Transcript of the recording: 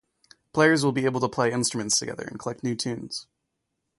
Players will be able to play instruments together and collect new tunes.